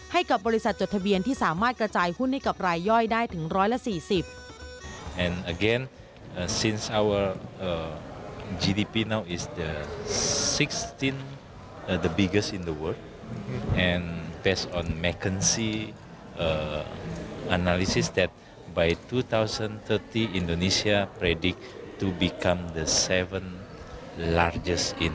ให้กับบริษัทจดทะเบียนที่สามารถกระจายหุ้นให้กับรายย่อยได้ถึง๑๔๐